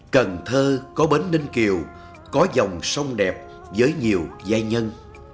cần thơ có bến ninh kiều có dòng sông đẹp với nhiều giai nhân